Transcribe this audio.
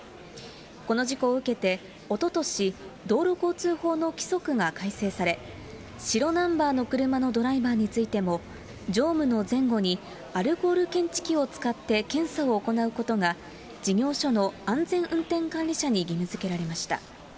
この事故を受けて、おととし、道路交通法の規則が改正され、白ナンバーの車のドライバーについても、乗務の前後にアルコール検知器を使って検査を行うことが、事業所の安全運転管理者に義務づけられました。